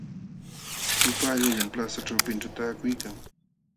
Upaallallaam plaza ćhawpinćhu taakuykan.